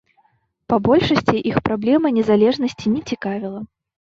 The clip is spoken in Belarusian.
Па большасці іх праблема незалежнасці не цікавіла.